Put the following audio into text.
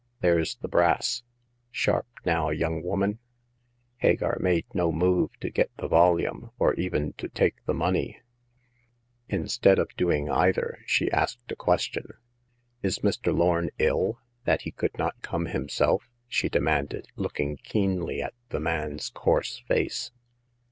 There's the brass. Sharp, now, young woman !" Hagar made no move to get the volume, or even to take the money. Instead of doing either, she asked a question. " Is Mr. Lorn ill, that he could not come himself ?" she demanded, look ing keenly at the man's coarse face.